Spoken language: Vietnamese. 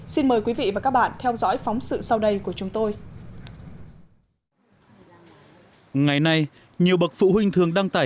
xin mời quý vị và các bạn theo dõi phóng sự sau đây của chúng tôi